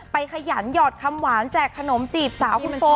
ขยันหยอดคำหวานแจกขนมจีบสาวคุณโต